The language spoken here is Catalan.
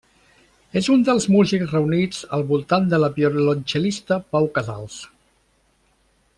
És un dels músics reunits al voltant de la violoncel·lista Pau Casals.